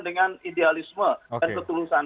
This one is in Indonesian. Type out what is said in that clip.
dengan idealisme dan ketulusan